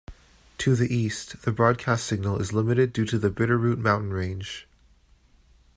To the East, the broadcast signal is limited due to the Bitterroot mountain range.